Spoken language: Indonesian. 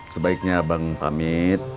sebaiknya abang pamit